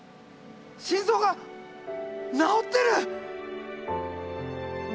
心臓がなおってる！